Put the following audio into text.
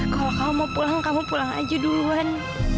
kalau kamu mau pulang kamu pulang aja duluan